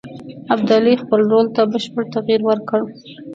ابدالي خپل رول ته بشپړ تغییر ورکړ.